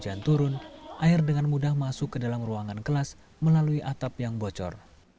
jika hujan turun air dengan mudah masuk ke dalam ruangan kelas melalui atap yang bocor